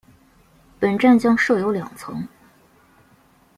本站将设有两层。